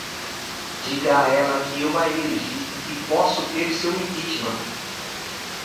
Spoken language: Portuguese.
Diga a ela que eu a elegi e posso ter seu impeachment!